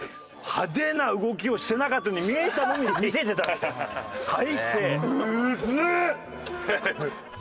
派手な動きをしてなかったように見えたのに見せてたって最低。